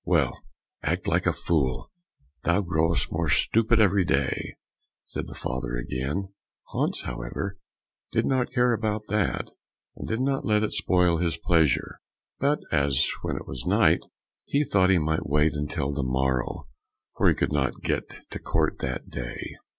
"Well, act like a fool! thou growest more stupid every day!" said the father again. Hans, however, did not care about that, and did not let it spoil his pleasure, but as it was then night, he thought he might as well wait until the morrow, for he could not get to court that day.